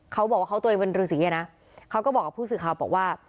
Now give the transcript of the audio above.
เขาบอกว่าเขาตัวเองเป็นฤษีนะเขาก็บอกกับผู้สื่อข่าวบอกว่า